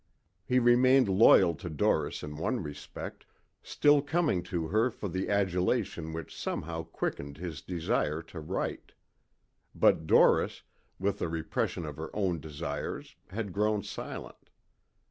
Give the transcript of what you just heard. He remained loyal to Doris in one respect, still coming to her for the adulation which somehow quickened his desire to write. But Doris, with the repression of her own desires had grown silent.